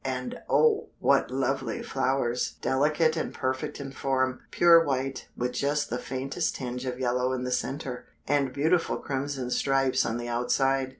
And oh! what lovely flowers; delicate and perfect in form, pure white, with just the faintest tinge of yellow in the center, and beautiful crimson stripes on the outside.